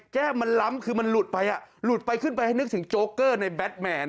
แก้มมันล้ำคือมันหลุดไปอ่ะหลุดไปขึ้นไปให้นึกถึงโจ๊กเกอร์ในแบทแมน